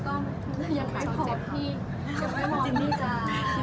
ตอนนี้ก็ด้วยอย่างเดียวกับพอพี่